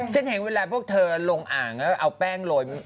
ฉันเห็นเวลาพวกเธอลงอ่างแล้วเอาแป้งโรย